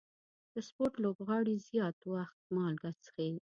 د سپورټ لوبغاړي زیات وخت مالګه څښي.